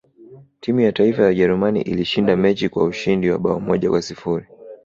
timu ya taifa ya ujerumani ilishinda mechi kwa ushindi wa bao moja kwa sifuri